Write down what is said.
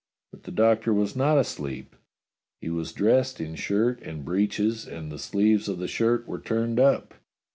But the Doctor was not asleep. He was dressed in shirt and breeches, and the sleeves of the shirt were turned up.